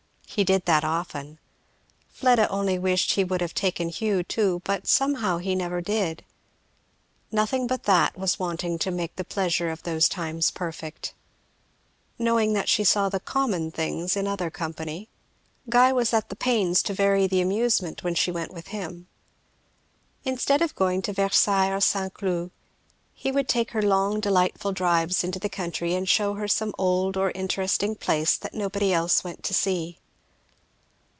He did that often. Fleda only wished he would have taken Hugh too, but somehow he never did. Nothing but that was wanting to make the pleasure of those times perfect. Knowing that she saw the common things in other company, Guy was at the pains to vary the amusement when she went with him. Instead of going to Versailles or St. Cloud, he would take her long delightful drives into the country and shew her some old or interesting place that nobody else went to see.